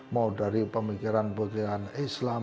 mau dari pemikiran pemikiran islam